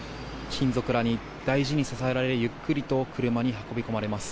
親族らに大事に支えられゆっくりと車に運び込まれます。